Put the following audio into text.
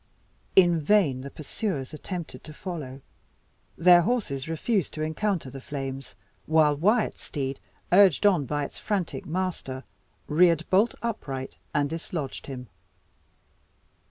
In vain the pursuers attempted to follow. Their horses refused to encounter the flames; while Wyat's steed, urged on by its frantic master, reared bolt upright, and dislodged him.